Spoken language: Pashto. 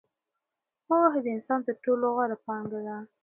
پوهه د انسان تر ټولو غوره پانګه ده.